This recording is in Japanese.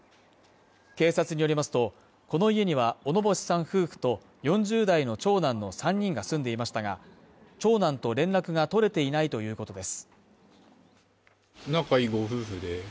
警察によりますと、この家には小野星さん夫婦と４０代の長男の３人が住んでいましたが、長男と連絡が取れていないということです。